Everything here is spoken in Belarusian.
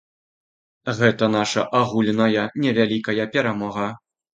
Гэта наша агульная невялікая перамога.